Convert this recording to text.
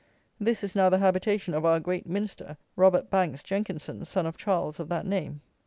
This is now the habitation of our Great Minister, Robert Bankes Jenkinson, son of Charles of that name.